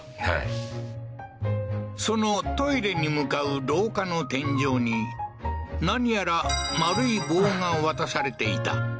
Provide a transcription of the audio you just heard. はいそのトイレに向かう廊下の天井に何やら丸い棒が渡されていた